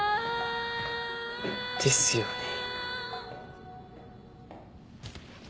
ですよね。